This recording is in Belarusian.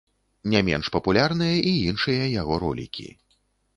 Не менш папулярныя і іншыя яго ролікі.